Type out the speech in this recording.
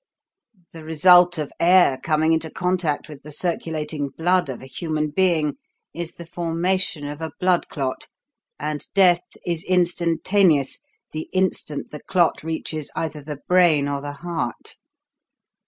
The result of air coming into contact with the circulating blood of a human being is the formation of a blood clot, and death is instantaneous the instant the clot reaches either the brain or the heart!